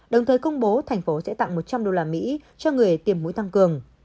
đồng thời công bố thành phố sẽ tặng một trăm linh đô la mỹ cho người tiêm mũi tăng cường